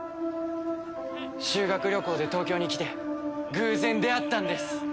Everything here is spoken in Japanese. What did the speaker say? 修学旅行で東京に来て偶然出会ったんです。